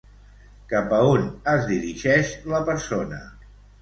Cap a on es dirigeix la persona?